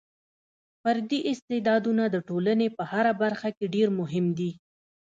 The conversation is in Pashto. فردي استعدادونه د ټولنې په هره برخه کې ډېر مهم دي.